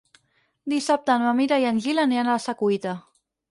Dissabte na Mira i en Gil iran a la Secuita.